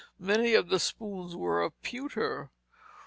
Many of the spoons were of pewter.